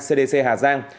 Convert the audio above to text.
cdc hà giang